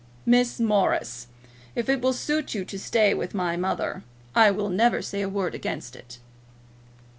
"Miss Morris, if it will suit you to stay with my mother, I will never say a word against it."